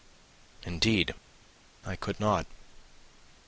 "Indeed, I could not.